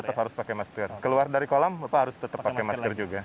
tetap harus pakai masker keluar dari kolam bapak harus tetap pakai masker juga